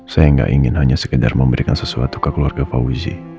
saya tidak ingin hanya sekedar memberikan sesuatu ke keluarga fauzi